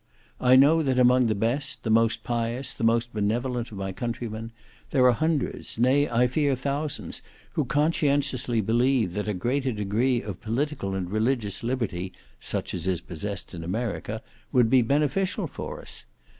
I know that among the best, the most pious, the most benevolent of my countrymen, there are hundreds, nay, I fear thousands, who conscientiously believe that a greater degree of political and religious liberty (such as is possessed in America) would be beneficial for us.